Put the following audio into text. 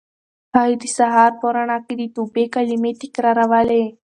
هغې د سهار په رڼا کې د توبې کلمې تکرارولې.